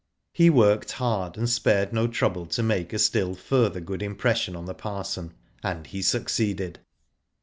He worked hard, and spared no trouble to make a still further good impression on the parson, and he succeeded.